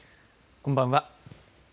こんばんは。